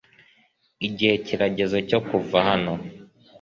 igihe kirageze cyo kuva hano